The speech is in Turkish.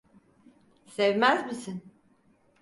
Sevmez misin?